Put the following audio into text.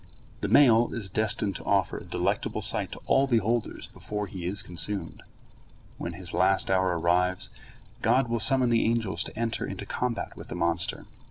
The male is destined to offer a delectable sight to all beholders before he is consumed. When his last hour arrives, God will summon the angels to enter into combat with the monster.